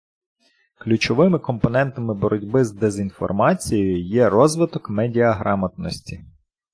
Ключовими компонентами боротьби з дезінформацією є – розвиток медіаграмотності.